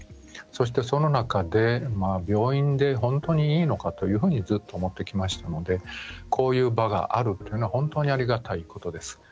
そして、その中で病院で本当にいいのかというふうにずっと思ってきましたのでこういう場があるというのは本当にありがたいものです。